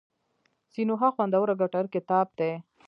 سینوهه خوندور او ګټور کتاب دی.